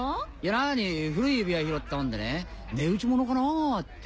なに古い指輪を拾ったもんでね値打ちものかなぁって。